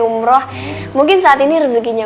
umroh mungkin saat ini rezekinya